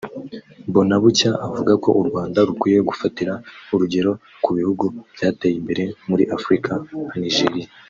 Mbonabucya avuga ko u Rwanda rukwiye gufatira urugero ku bihugu byateye imbere muri Afurika nka Nigeria